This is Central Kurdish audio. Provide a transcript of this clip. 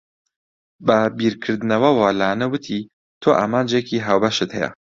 بە بیرکردنەوەوە لانە وتی، تۆ ئامانجێکی هاوبەشت هەیە.